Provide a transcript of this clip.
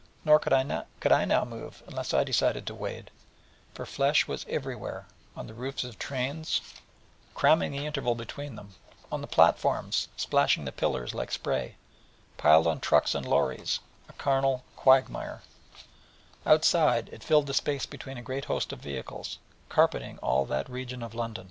Nor could I now move, unless I decided to wade: for flesh was everywhere, on the roofs of trains, cramming the interval between them, on the platforms, splashing the pillars like spray, piled on trucks and lorries, a carnal quagmire; and outside, it filled the space between a great host of vehicles, carpeting all that region of London.